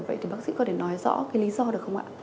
vậy thì bác sĩ có thể nói rõ cái lý do được không ạ